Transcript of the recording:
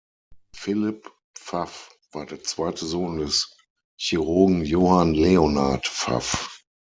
Philipp Pfaff war der zweite Sohn des Chirurgen Johann Leonhard Pfaff.